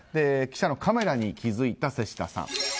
記者のカメラに気付いた瀬下さん。